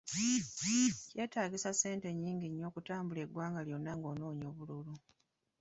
Kyetaagisa ssente nnyingi nnyo okutambula eggwanga lyonna ng'onoonya obululu.